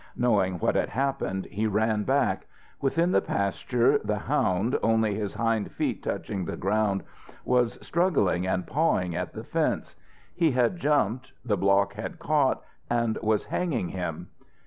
Knowing what had happened, he ran back. Within the pasture the hound, only his hind feet touching the ground, was struggling and pawing at the fence. He had jumped, the block had caught, and was hanging him.